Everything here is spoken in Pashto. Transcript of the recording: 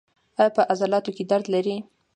ایا په عضلاتو کې درد لرئ؟